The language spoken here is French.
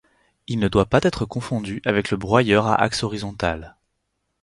Il ne doit pas être confondu avec le broyeur à axe horizontal.